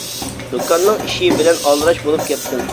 -دۇكاننىڭ ئىشى بىلەن ئالدىراش بولۇپ كەتتىم.